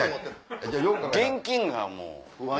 現金がもう。